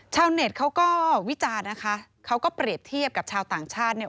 เน็ตเขาก็วิจารณ์นะคะเขาก็เปรียบเทียบกับชาวต่างชาติเนี่ย